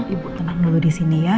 ibu tenang dulu disini ya